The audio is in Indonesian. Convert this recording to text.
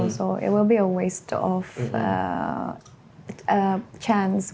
jadi itu akan menjadi kesempatan yang tidak diambil